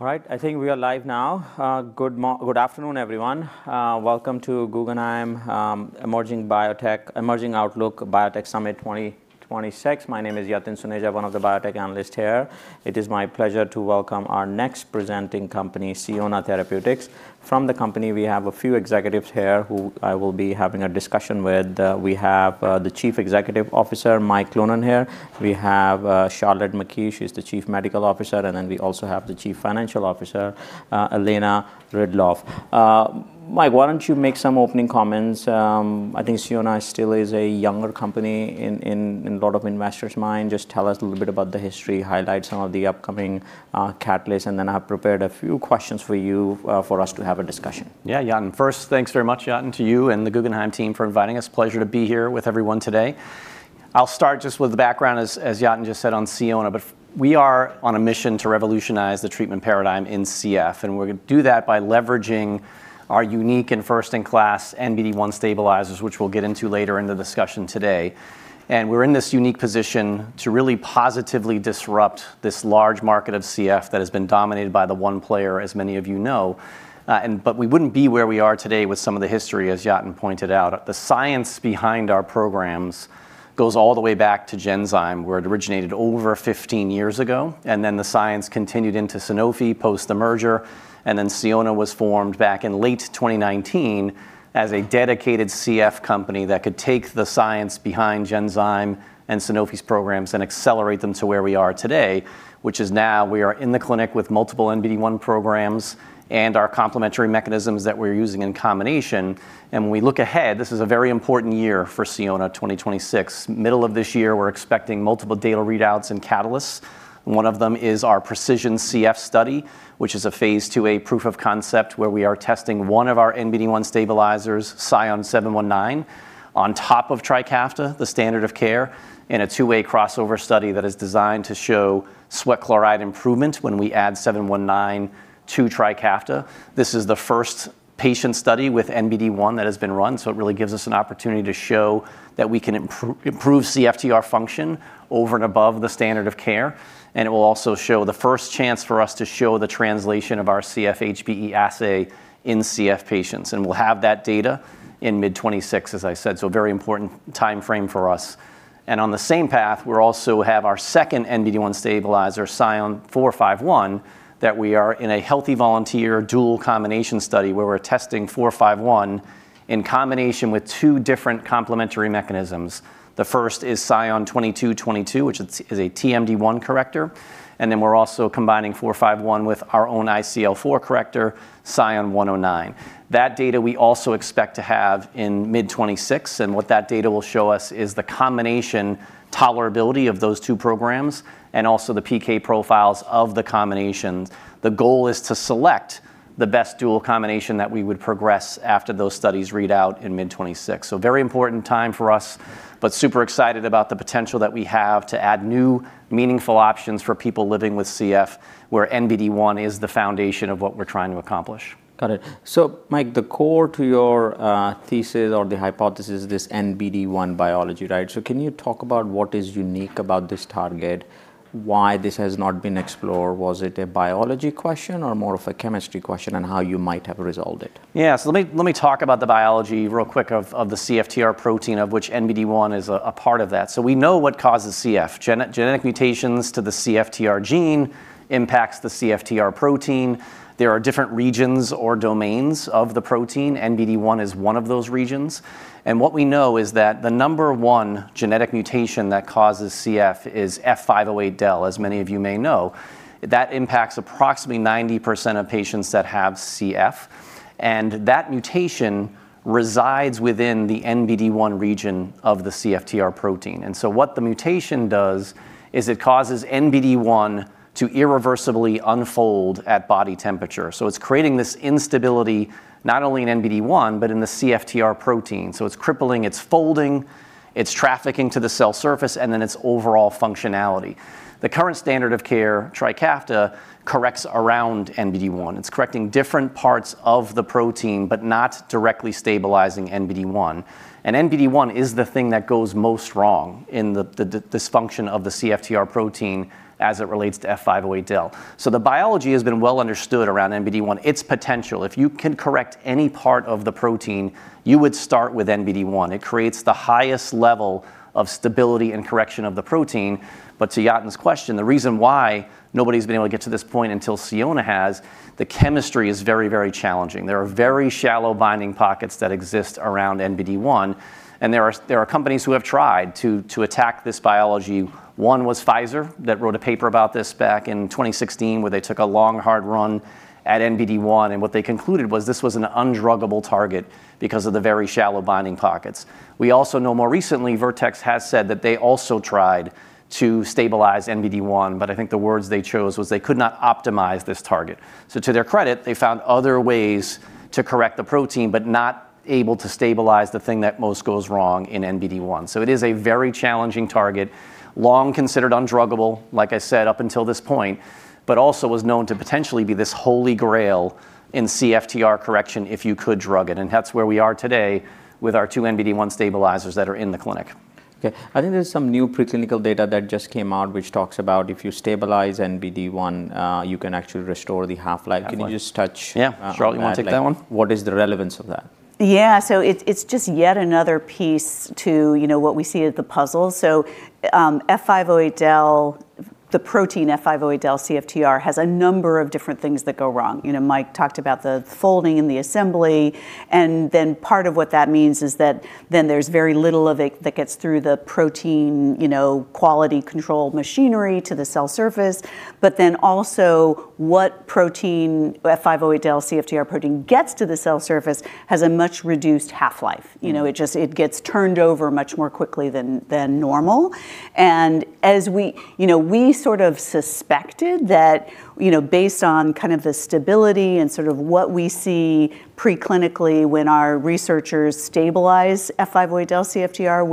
All right, I think we are live now. Good afternoon, everyone. Welcome to Guggenheim Emerging Outlook Biotech Summit 2026. My name is Yatin Suneja, one of the biotech analysts here. It is my pleasure to welcome our next presenting company, Sionna Therapeutics. From the company, we have a few executives here who I will be having a discussion with. We have the Chief Executive Officer, Mike Cloonan, here. We have Charlotte McKee. She's the Chief Medical Officer, and then we also have the Chief Financial Officer, Elena Ridloff. Mike, why don't you make some opening comments? I think Sionna still is a younger company in a lot of investors' minds. Just tell us a little bit about the history, highlight some of the upcoming catalysts, and then I've prepared a few questions for you, for us to have a discussion. Yeah, Yatin. First, thanks very much, Yatin, to you and the Guggenheim team for inviting us. Pleasure to be here with everyone today. I'll start just with the background, as Yatin just said on Sionna, but we are on a mission to revolutionize the treatment paradigm in CF, and we're gonna do that by leveraging our unique and first-in-class NBD1 stabilizers, which we'll get into later in the discussion today. And we're in this unique position to really positively disrupt this large market of CF that has been dominated by the one player, as many of you know. And but we wouldn't be where we are today with some of the history, as Yatin pointed out. The science behind our programs goes all the way back to Genzyme. We originated over 15 years ago, and then the science continued into Sanofi post-merger, and then Sionna was formed back in late 2019 as a dedicated CF company that could take the science behind Genzyme and Sanofi's programs and accelerate them to where we are today, which is now we are in the clinic with multiple NBD1 programs and our complementary mechanisms that we're using in combination. When we look ahead, this is a very important year for Sionna, 2026. Middle of this year, we're expecting multiple data readouts and catalysts. One of them is our PreciSION-CF study, which is a phase 2a proof of concept where we are testing one of our NBD1 stabilizers, SION-719, on top of TRIKAFTA, the standard of care, in a 2a crossover study that is designed to show sweat chloride improvement when we add 719 to TRIKAFTA. This is the first patient study with NBD1 that has been run, so it really gives us an opportunity to show that we can improve CFTR function over and above the standard of care. It will also show the first chance for us to show the translation of our CFHBE assay in CF patients, and we'll have that data in mid-2026, as I said, so a very important time frame for us. On the same path, we also have our second NBD1 stabilizer, SION-451, that we are in a healthy volunteer dual combination study where we're testing 451 in combination with two different complementary mechanisms. The first is SION-2222, which is a TMD1 corrector, and then we're also combining 451 with our own ICL4 corrector, SION-109. That data we also expect to have in mid-2026, and what that data will show us is the combination tolerability of those two programs and also the PK profiles of the combinations. The goal is to select the best dual combination that we would progress after those studies read out in mid-2026. So very important time for us, but super excited about the potential that we have to add new, meaningful options for people living with CF where NBD1 is the foundation of what we're trying to accomplish. Got it. So, Mike, the core to your thesis or the hypothesis is this NBD1 biology, right? So can you talk about what is unique about this target, why this has not been explored? Was it a biology question or more of a chemistry question, and how you might have resolved it? Yeah, so let me, let me talk about the biology real quick of, of the CFTR protein, of which NBD1 is a, a part of that. So we know what causes CF. Genetic mutations to the CFTR gene impact the CFTR protein. There are different regions or domains of the protein. NBD1 is one of those regions. And what we know is that the number one genetic mutation that causes CF is F508del, as many of you may know. That impacts approximately 90% of patients that have CF, and that mutation resides within the NBD1 region of the CFTR protein. And so what the mutation does is it causes NBD1 to irreversibly unfold at body temperature. So it's creating this instability not only in NBD1 but in the CFTR protein. So it's crippling, it's folding, it's trafficking to the cell surface, and then it's overall functionality. The current standard of care, TRIKAFTA, corrects around NBD1. It's correcting different parts of the protein but not directly stabilizing NBD1. And NBD1 is the thing that goes most wrong in the dysfunction of the CFTR protein as it relates to F508del. So the biology has been well understood around NBD1, its potential. If you can correct any part of the protein, you would start with NBD1. It creates the highest level of stability and correction of the protein. But to Yatin's question, the reason why nobody's been able to get to this point until Sionna has. The chemistry is very, very challenging. There are very shallow binding pockets that exist around NBD1, and there are companies who have tried to attack this biology. One was Pfizer that wrote a paper about this back in 2016 where they took a long, hard run at NBD1, and what they concluded was this was an undruggable target because of the very shallow binding pockets. We also know more recently Vertex has said that they also tried to stabilize NBD1, but I think the words they chose was they could not optimize this target. So to their credit, they found other ways to correct the protein but not able to stabilize the thing that most goes wrong in NBD1. So it is a very challenging target, long considered undruggable, like I said, up until this point, but also was known to potentially be this holy grail in CFTR correction if you could drug it. And that's where we are today with our two NBD1 stabilizers that are in the clinic. Okay. I think there's some new preclinical data that just came out which talks about if you stabilize NBD1, you can actually restore the half-life. Can you just touch? Absolutely. Yeah, Charlotte, you wanna take that one? What is the relevance of that? Yeah, so it's just yet another piece to, you know, what we see as the puzzle. So, F508del, the protein F508del CFTR has a number of different things that go wrong. You know, Mike talked about the folding in the assembly, and then part of what that means is that then there's very little of it that gets through the protein, you know, quality control machinery to the cell surface. But then also what protein, F508del CFTR protein, gets to the cell surface has a much reduced half-life. You know, it just it gets turned over much more quickly than normal. And as we, you know, we sort of suspected that, you know, based on kind of the stability and sort of what we see preclinically when our researchers stabilize F508del CFTR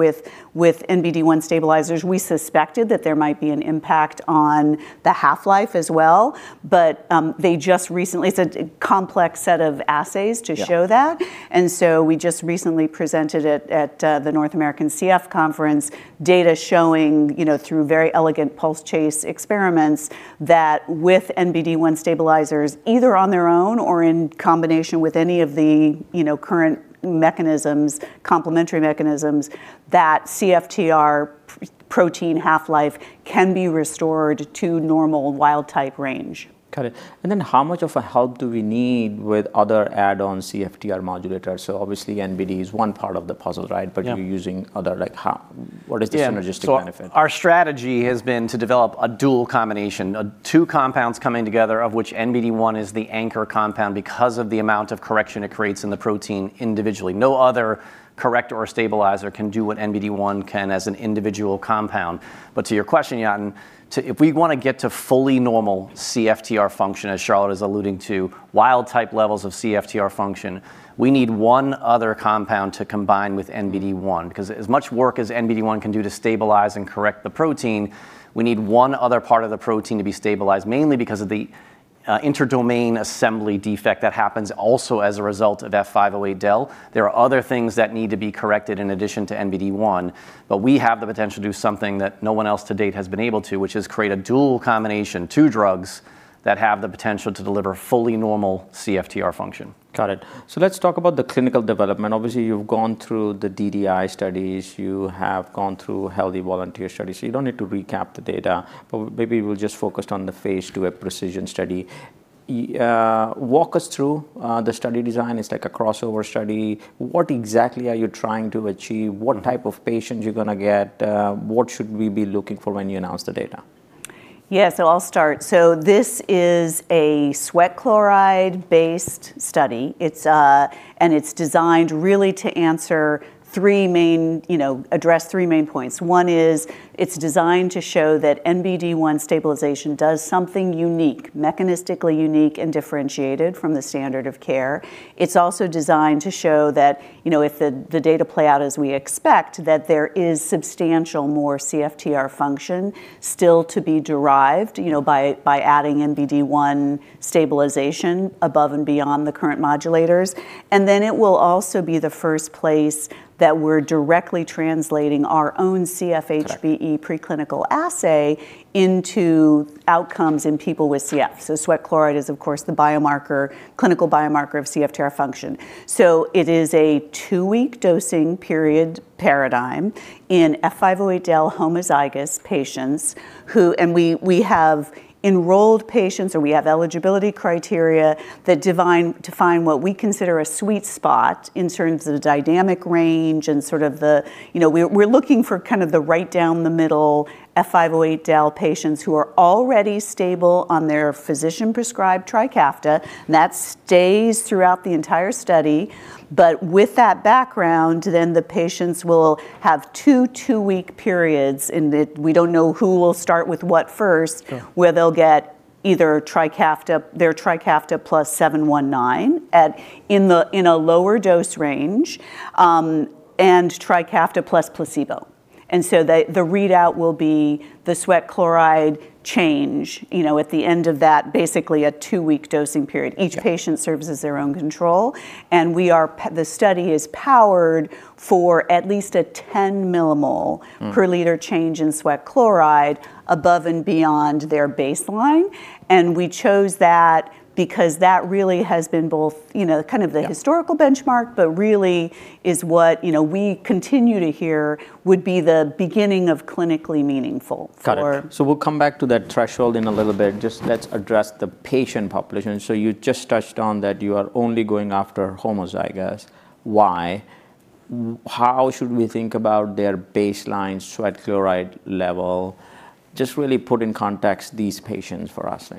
with NBD1 stabilizers, we suspected that there might be an impact on the half-life as well. But they just recently, it's a complex set of assays to show that. And so we just recently presented it at the North American CF Conference, data showing, you know, through very elegant pulse chase experiments that with NBD1 stabilizers, either on their own or in combination with any of the, you know, current mechanisms, complementary mechanisms, that CFTR protein half-life can be restored to normal wild-type range. Got it. And then how much of a help do we need with other add-on CFTR modulators? So obviously NBD is one part of the puzzle, right? But you're using other, like, how—what is the synergistic benefit? So our strategy has been to develop a dual combination, two compounds coming together of which NBD1 is the anchor compound because of the amount of correction it creates in the protein individually. No other corrector or stabilizer can do what NBD1 can as an individual compound. But to your question, Yatin, to if we wanna get to fully normal CFTR function, as Charlotte is alluding to, wild-type levels of CFTR function, we need one other compound to combine with NBD1. Because as much work as NBD1 can do to stabilize and correct the protein, we need one other part of the protein to be stabilized, mainly because of the interdomain assembly defect that happens also as a result of F508del. There are other things that need to be corrected in addition to NBD1, but we have the potential to do something that no one else to date has been able to, which is create a dual combination, two drugs that have the potential to deliver fully normal CFTR function. Got it. So let's talk about the clinical development. Obviously you've gone through the DDI studies, you have gone through healthy volunteer studies, so you don't need to recap the data, but maybe we'll just focus on the phase 2a PreciSION study. Yatin, walk us through the study design. It's like a crossover study. What exactly are you trying to achieve? What type of patients are you gonna get? What should we be looking for when you announce the data? Yeah, so I'll start. So this is a sweat chloride-based study. It's designed really to address three main points, you know. One is it's designed to show that NBD1 stabilization does something unique, mechanistically unique, and differentiated from the standard of care. It's also designed to show that, you know, if the data play out as we expect, that there is substantial more CFTR function still to be derived, you know, by adding NBD1 stabilization above and beyond the current modulators. And then it will also be the first place that we're directly translating our own CFHBE preclinical assay into outcomes in people with CF. So sweat chloride is, of course, the biomarker, clinical biomarker of CFTR function. So it is a 2-week dosing period paradigm in F508del homozygous patients who, and we have enrolled patients or we have eligibility criteria that define what we consider a sweet spot in terms of the dynamic range and sort of the, you know, we're looking for kind of the right down the middle F508del patients who are already stable on their physician-prescribed TRIKAFTA. That stays throughout the entire study, but with that background, then the patients will have two 2-week periods in that we don't know who will start with what first, where they'll get either TRIKAFTA, their TRIKAFTA plus 719 in a lower dose range, and TRIKAFTA plus placebo. And so the readout will be the sweat chloride change, you know, at the end of that, basically a 2-week dosing period. Each patient serves as their own control, and the study is powered for at least a 10 millimole per liter change in sweat chloride above and beyond their baseline. We chose that because that really has been both, you know, kind of the historical benchmark, but really is what, you know, we continue to hear would be the beginning of clinically meaningful for. Got it. So we'll come back to that threshold in a little bit. Just let's address the patient population. So you just touched on that you are only going after homozygous. Why? How should we think about their baseline sweat chloride level? Just really put in context these patients for us,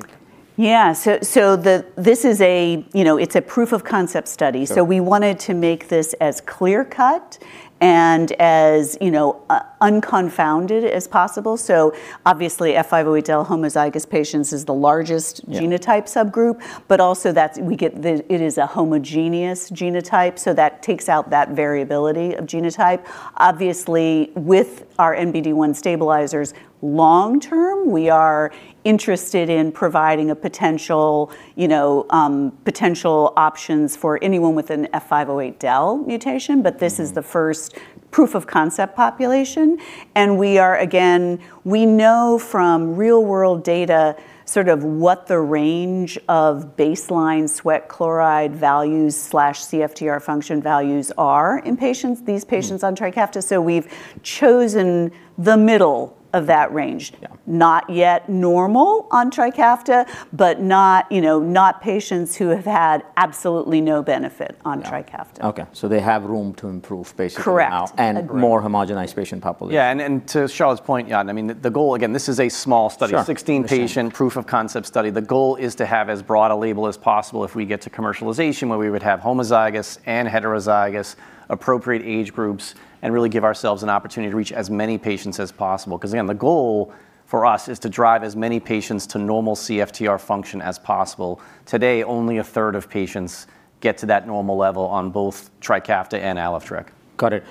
like. Yeah, so this is a, you know, proof of concept study. So we wanted to make this as clear-cut and as, you know, unconfounded as possible. So obviously F508del homozygous patients is the largest genotype subgroup, but also that's we get the it is a homogeneous genotype, so that takes out that variability of genotype. Obviously with our NBD1 stabilizers, long-term we are interested in providing a potential, you know, potential options for anyone with an F508del mutation, but this is the first proof of concept population. And we are, again, we know from real-world data sort of what the range of baseline sweat chloride values/CFTR function values are in patients, these patients on TRIKAFTA. So we've chosen the middle of that range, not yet normal on TRIKAFTA, but not, you know, not patients who have had absolutely no benefit on TRIKAFTA. Okay. So they have room to improve basically now and more homogenized patient population. Yeah, and to Charlotte's point, Yatin, I mean, the goal, again, this is a small study, 16-patient proof of concept study. The goal is to have as broad a label as possible. If we get to commercialization, where we would have homozygous and heterozygous, appropriate age groups, and really give ourselves an opportunity to reach as many patients as possible. 'Cause again, the goal for us is to drive as many patients to normal CFTR function as possible. Today, only a third of patients get to that normal level on both TRIKAFTA and ALYFTREK. Got it.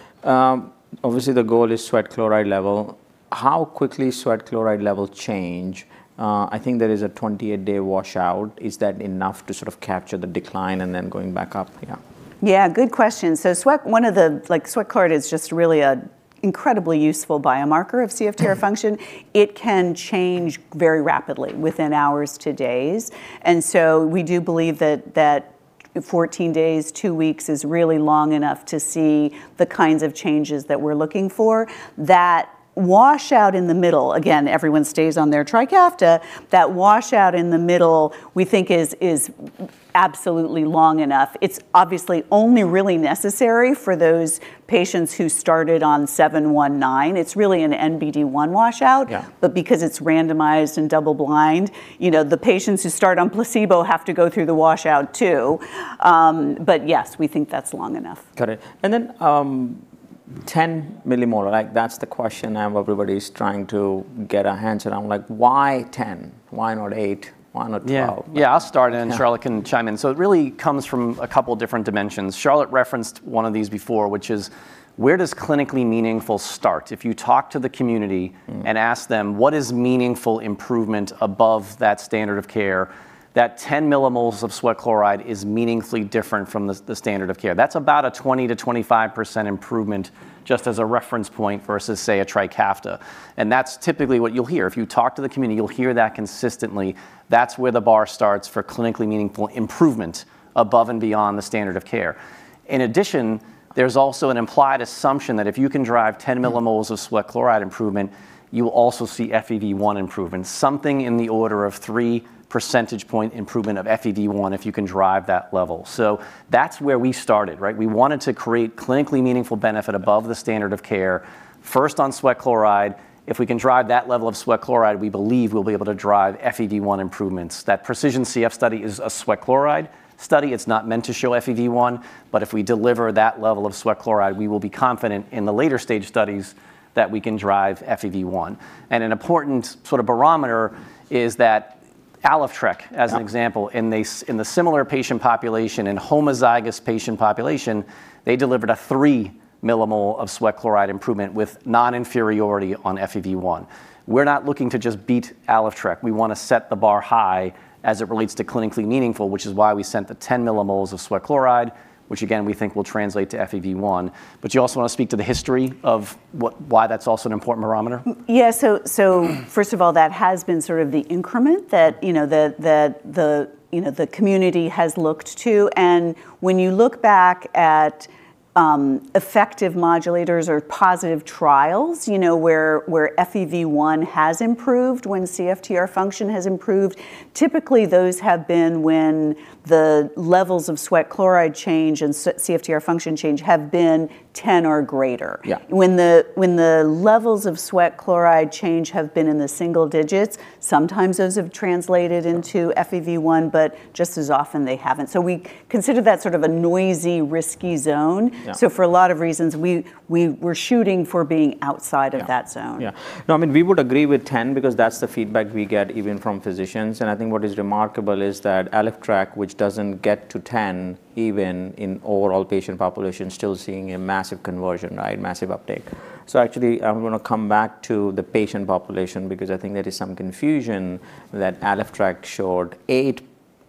Obviously the goal is Sweat Chloride level. How quickly Sweat Chloride levels change? I think there is a 28-day washout. Is that enough to sort of capture the decline and then going back up? Yeah. Yeah, good question. So sweat one of the, like, Sweat Chloride is just really an incredibly useful biomarker of CFTR function. It can change very rapidly within hours to days. And so we do believe that, that 14 days, two weeks is really long enough to see the kinds of changes that we're looking for. That washout in the middle, again, everyone stays on their TRIKAFTA, that washout in the middle we think is, is absolutely long enough. It's obviously only really necessary for those patients who started on 719. It's really an NBD1 washout, but because it's randomized and double-blind, you know, the patients who start on placebo have to go through the washout too. But yes, we think that's long enough. Got it. And then, 10 millimole, like, that's the question I have everybody's trying to get a hands-on. I'm like, why 10? Why not eight? Why not 12? Yeah, yeah, I'll start and Charlotte can chime in. So it really comes from a couple different dimensions. Charlotte referenced one of these before, which is where does clinically meaningful start? If you talk to the community and ask them what is meaningful improvement above that standard of care, that 10 millimoles of sweat chloride is meaningfully different from the standard of care. That's about a 20%-25% improvement just as a reference point versus, say, a TRIKAFTA. And that's typically what you'll hear. If you talk to the community, you'll hear that consistently. That's where the bar starts for clinically meaningful improvement above and beyond the standard of care. In addition, there's also an implied assumption that if you can drive 10 millimoles of sweat chloride improvement, you'll also see FEV1 improvement, something in the order of three percentage point improvement of FEV1 if you can drive that level. So that's where we started, right? We wanted to create clinically meaningful benefit above the standard of care, first on sweat chloride. If we can drive that level of sweat chloride, we believe we'll be able to drive FEV1 improvements. That PreciSION CF study is a sweat chloride study. It's not meant to show FEV1, but if we deliver that level of sweat chloride, we will be confident in the later stage studies that we can drive FEV1. An important sort of barometer is that ALYFTREK, as an example, in the similar patient population, in homozygous patient population, they delivered a three millimoles of sweat chloride improvement with non-inferiority on FEV1. We're not looking to just beat ALYFTREK. We wanna set the bar high as it relates to clinically meaningful, which is why we set the 10 millimoles of sweat chloride, which again we think will translate to FEV1. But you also wanna speak to the history of what why that's also an important barometer? Yeah, so first of all, that has been sort of the increment that, you know, the community has looked to. And when you look back at effective modulators or positive trials, you know, where FEV1 has improved when CFTR function has improved, typically those have been when the levels of sweat chloride change and CFTR function change have been 10 or greater. When the levels of sweat chloride change have been in the single digits, sometimes those have translated into FEV1, but just as often they haven't. So we consider that sort of a noisy, risky zone. So for a lot of reasons, we were shooting for being outside of that zone. Yeah. No, I mean, we would agree with 10 because that's the feedback we get even from physicians. And I think what is remarkable is that ALYFTREK, which doesn't get to 10 even in overall patient population, still seeing a massive conversion, right? Massive uptake. So actually, I'm gonna come back to the patient population because I think there is some confusion that ALYFTREK showed eight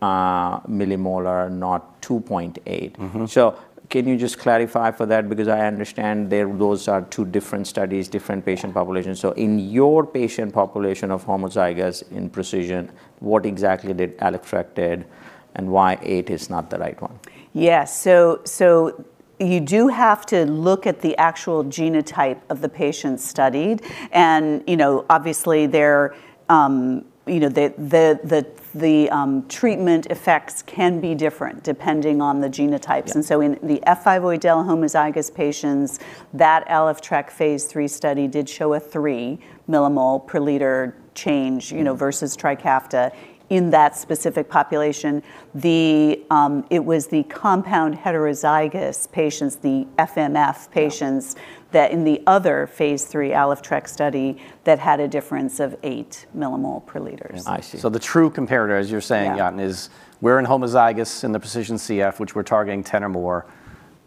millimole, not 2.8. So can you just clarify for that? Because I understand there those are two different studies, different patient populations. So in your patient population of homozygous in PreciSION, what exactly did ALYFTREK did and why eight is not the right one? Yeah, so you do have to look at the actual genotype of the patient studied. And, you know, obviously their, you know, the treatment effects can be different depending on the genotypes. And so in the F508del homozygous patients, that Alyftrek phase III study did show a 3 millimole per liter change, you know, versus TRIKAFTA in that specific population. It was the compound heterozygous patients, the FMF patients, that in the other phase III Alyftrek study that had a difference of 8 millimole per liter. I see. So the true comparator, as you're saying, Yatin, is we're in homozygous in the PreciSION CF, which we're targeting 10 or more.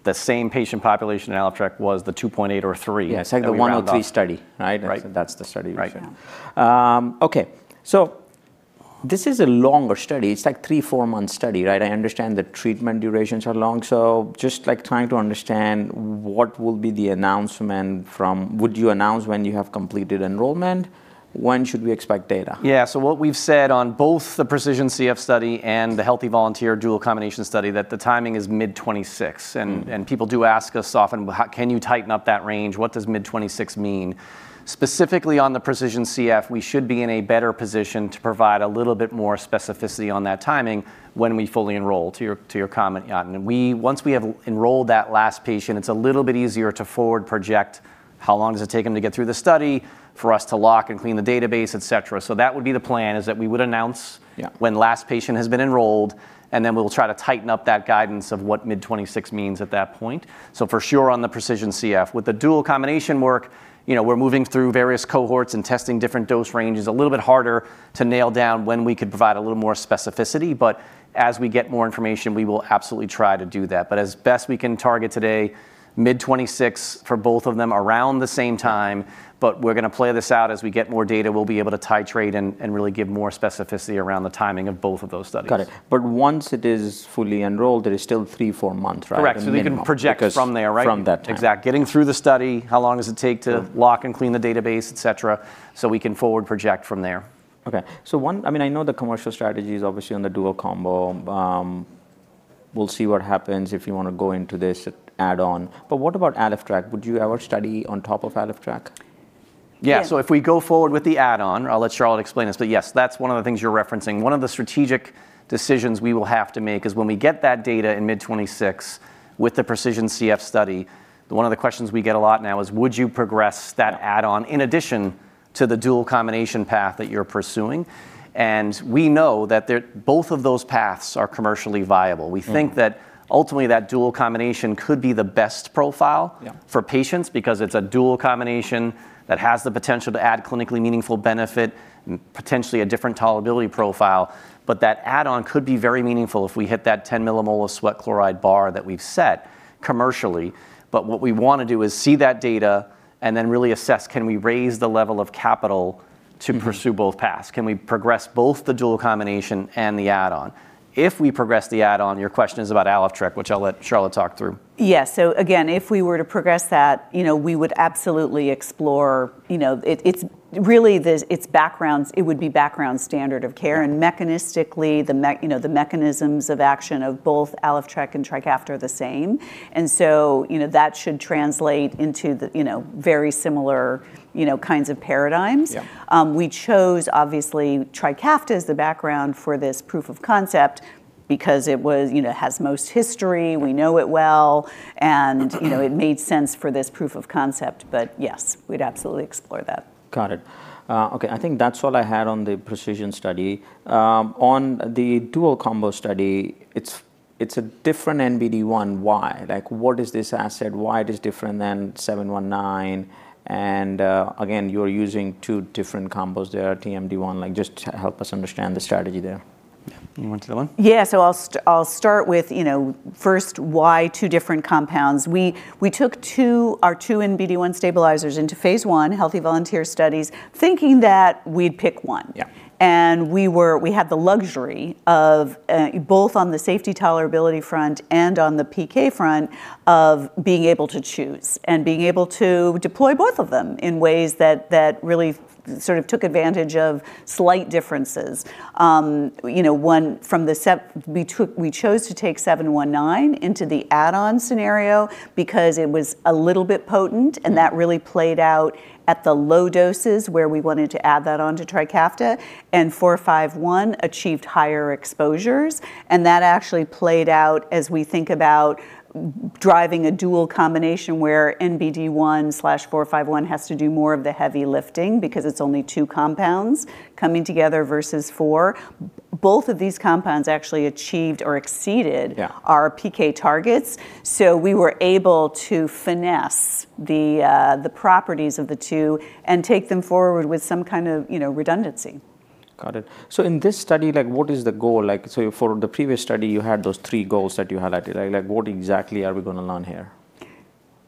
The same patient population in ALYFTREK was the 2.8 or 3. Yes, like the 103 study, right? That's the study we should. Okay. So this is a longer study. It's like three-four months study, right? I understand the treatment durations are long. So just like trying to understand what will be the announcement from would you announce when you have completed enrollment? When should we expect data? Yeah, so what we've said on both the PreciSION CF study and the healthy volunteer dual combination study that the timing is mid-2026. And, and people do ask us often, can you tighten up that range? What does mid-2026 mean? Specifically on the PreciSION CF, we should be in a better position to provide a little bit more specificity on that timing when we fully enroll, to your to your comment, Yatin. And we once we have enrolled that last patient, it's a little bit easier to forward project how long does it take them to get through the study for us to lock and clean the database, etc. So that would be the plan, is that we would announce when last patient has been enrolled, and then we'll try to tighten up that guidance of what mid-2026 means at that point. So for sure on the PreciSION CF, with the dual combination work, you know, we're moving through various cohorts and testing different dose ranges. A little bit harder to nail down when we could provide a little more specificity, but as we get more information, we will absolutely try to do that. But as best we can target today, mid-2026 for both of them around the same time. But we're gonna play this out as we get more data. We'll be able to titrate and really give more specificity around the timing of both of those studies. Got it. Once it is fully enrolled, there is still three-four months, right? Correct. So we can project from there, right? Exactly. Getting through the study, how long does it take to lock and clean the database, etc. So we can forward project from there. Okay. So one I mean, I know the commercial strategy is obviously on the dual combo. We'll see what happens if you wanna go into this add-on. But what about ALYFTREK? Would you ever study on top of ALYFTREK? Yeah, so if we go forward with the add-on, I'll let Charlotte explain this. But yes, that's one of the things you're referencing. One of the strategic decisions we will have to make is when we get that data in mid-2026 with the PreciSION CF study, one of the questions we get a lot now is, would you progress that add-on in addition to the dual combination path that you're pursuing? And we know that both of those paths are commercially viable. We think that ultimately that dual combination could be the best profile for patients because it's a dual combination that has the potential to add clinically meaningful benefit, potentially a different tolerability profile. But that add-on could be very meaningful if we hit that 10 millimole of sweat chloride bar that we've set commercially. But what we wanna do is see that data and then really assess, can we raise the level of capital to pursue both paths? Can we progress both the dual combination and the add-on? If we progress the add-on, your question is about ALYFTREK, which I'll let Charlotte talk through. Yes. So again, if we were to progress that, you know, we would absolutely explore, you know, it's really the background standard of care. And mechanistically, you know, the mechanisms of action of both ALYFTREK and TRIKAFTA are the same. And so, you know, that should translate into the, you know, very similar, you know, kinds of paradigms. We chose obviously TRIKAFTA as the background for this proof of concept because it was, you know, has most history. We know it well. And, you know, it made sense for this proof of concept. But yes, we'd absolutely explore that. Got it. Okay. I think that's all I had on the precision study. On the dual combo study, it's a different NBD1. Why? Like, what is this asset? Why it is different than 719? And, again, you're using two different combos. There are TMD1. Like, just help us understand the strategy there. You want to do one? Yeah. So I'll start with, you know, first why two different compounds. We took our two NBD1 stabilizers into phase 1 healthy volunteer studies, thinking that we'd pick one. And we had the luxury of, both on the safety tolerability front and on the PK front, being able to choose and being able to deploy both of them in ways that really sort of took advantage of slight differences. You know, one, we chose to take 719 into the add-on scenario because it was a little bit potent, and that really played out at the low doses where we wanted to add that on to TRIKAFTA. And 451 achieved higher exposures. That actually played out as we think about driving a dual combination where NBD1/451 has to do more of the heavy lifting because it's only two compounds coming together versus four. Both of these compounds actually achieved or exceeded our PK targets. We were able to finesse the properties of the two and take them forward with some kind of, you know, redundancy. Got it. So in this study, like, what is the goal? Like, so for the previous study, you had those three goals that you highlighted. Like, like, what exactly are we gonna learn here?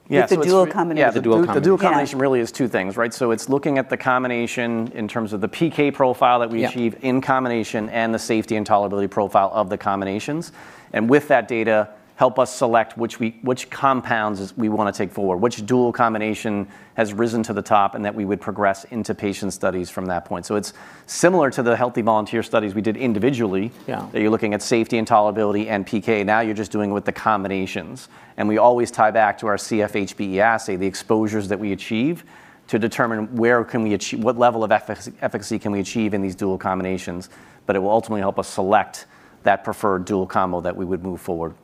Yeah, so it's the dual combination. The dual combination really is two things, right? So it's looking at the combination in terms of the PK profile that we achieve in combination and the safety and tolerability profile of the combinations. And with that data, help us select which compounds we wanna take forward, which dual combination has risen to the top and that we would progress into patient studies from that point. So it's similar to the healthy volunteer studies we did individually that you're looking at safety and tolerability and PK. Now you're just doing it with the combinations. And we always tie back to our CFHBE assay, the exposures that we achieve, to determine where can we achieve what level of efficacy can we achieve in these dual combinations. But it will ultimately help us select that preferred dual combo that we would move forward.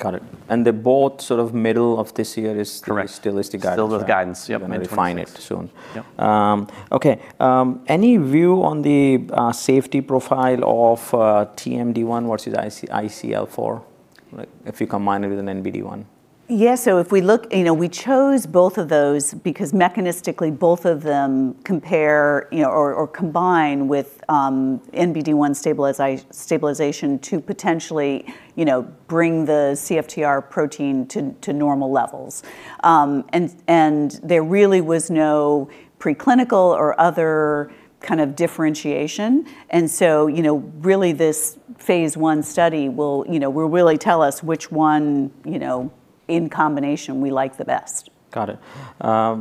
Got it. And the broad sort of middle of this year is still the guidance? Correct. Still with guidance. Yeah. And we'll refine it soon. Okay. Any view on the safety profile of TMD1 versus ICL4 if you combine it with an NBD1? Yeah. So if we look, you know, we chose both of those because mechanistically both of them compare, you know, or, or combine with, NBD1 stabilization to potentially, you know, bring the CFTR protein to, to normal levels. And, and there really was no preclinical or other kind of differentiation. And so, you know, really this phase 1 study will, you know, will really tell us which one, you know, in combination we like the best. Got it.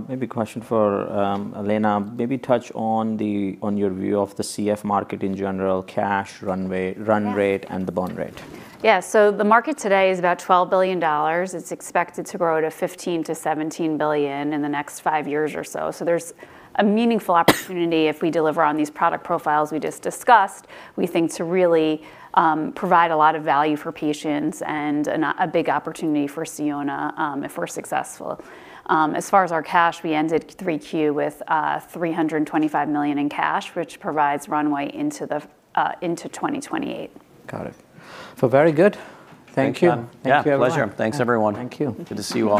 Maybe question for Elena. Maybe touch on your view of the CF market in general, cash, runway, run rate, and the bond rate. Yeah. So the market today is about $12 billion. It's expected to grow to $15 billion-$17 billion in the next five years or so. So there's a meaningful opportunity if we deliver on these product profiles we just discussed, we think, to really, provide a lot of value for patients and a big opportunity for Sionna, if we're successful. As far as our cash, we ended 3Q with $325 million in cash, which provides runway into 2028. Got it. So very good. Thank you. Thank you, everyone. Yeah, pleasure. Thanks, everyone. Thank you. Good to see you all.